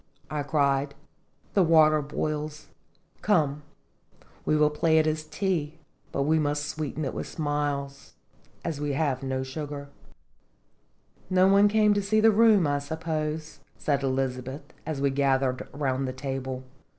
I cried; "the water boils; come, we will play it is tea but we must sweeten it with smiles, as we have no sugar." " No one came to see the room, I suppose," said Elizabeth, as we gathered round the table, 38 0ittjg*& Jttolljs.